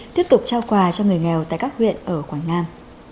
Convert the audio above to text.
tiếp tục trao quà cho người nghèo tại các huyện ở quảng nam